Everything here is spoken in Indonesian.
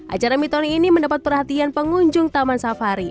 acara mitoni ini mendapat perhatian pengunjung taman safari